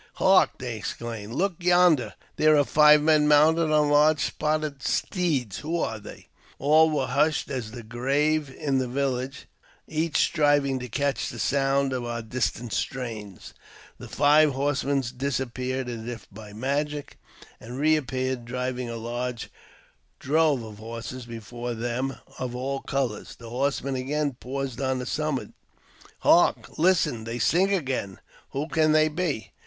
Hark !" they exclaimed :" look yonder ! there are five men mounted on large spotted steeds. Who are they ?" All was hushed as the grave in the village, each striving to ad a 3r >d it : JAMES P. BECKWOUBTH. 277 catch the sound of our distant strains. The five horsemen disappeared as if by magic, and reappeared driving a large drove of horses before them of all colours. The horsemen again pause on the summit. "Hark! listen! they sing again ! Who can they be